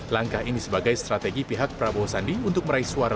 langkah ini sebagai strategi pihak prabowo sandi untuk meraih suara